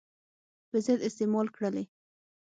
په ضد استعمال کړلې.